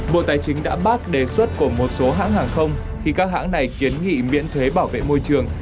bộ tài chính đã bác đề xuất của một số hãng hàng không khi các hãng này kiến nghị miễn thuế bảo vệ môi trường